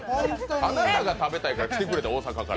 あなたが食べたいから来てくれたんやで、大阪から。